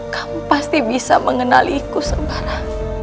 kamu pasti bisa mengenaliku sembarang